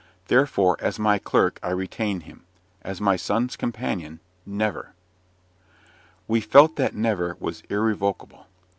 Therefore, as my clerk I retain him; as my son's companion never!" We felt that "never" was irrevocable.